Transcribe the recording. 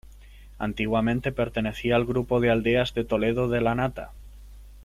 Antiguamente pertenecía al grupo de aldeas de Toledo de Lanata.